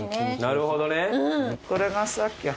なるほどね。